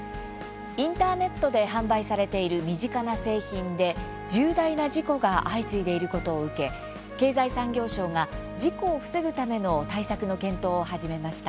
インターネットで販売されている身近な製品で重大な事故が相次いでいることを受け経済産業省が事故を防ぐための対策の検討を始めました。